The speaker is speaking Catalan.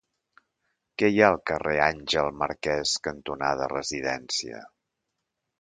Què hi ha al carrer Àngel Marquès cantonada Residència?